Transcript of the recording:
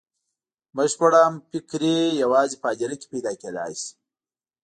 بشپړه همفکري یوازې په هدیره کې پیدا کېدای شي.